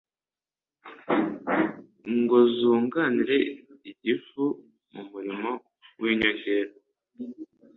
ngo zunganire igifu mu murimo w’inyongera